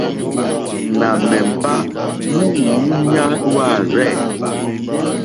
Nà mèmbá wúǔɲá wârzɛ̂.